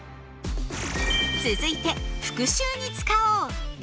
続いて復習に使おう！